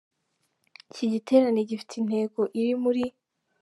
Iki giterane gifite intego iri muri